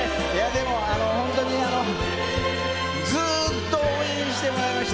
でも、あの本当に、ずーっと応援してもらいました。